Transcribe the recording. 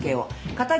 片桐。